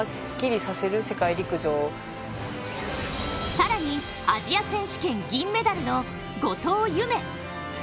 更に、アジア選手権、銀メダルの後藤夢。